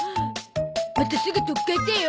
またすぐとっかえてよ？